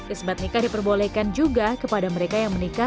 isbat nikah diperbolehkan juga kepada mereka yang menikah